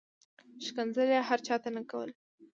ښکنځل یې هر چاته نه کول.